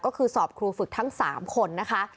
ก็คือสอบครูฝึกทั้ง๓คนนะคะ